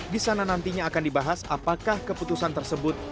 di sana nantinya akan dibahas apakah keputusan tersebut